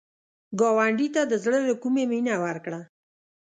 ګاونډي ته د زړه له کومي مینه ورکړه